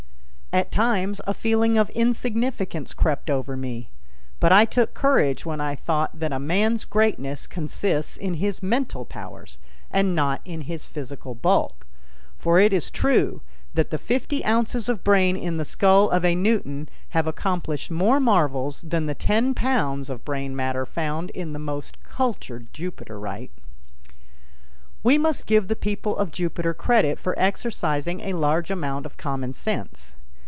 At times a feeling of insignificance crept over me, but I took courage when I thought that a man's greatness consists in his mental powers and not in his physical bulk, for it is true that the fifty ounces of brain in the skull of a Newton have accomplished more marvels than the ten pounds of brain matter found in the most cultured Jupiterite. We must give the people of Jupiter credit for exercising a large amount of common sense.